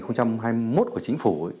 năm hai nghìn hai mươi một của chính phủ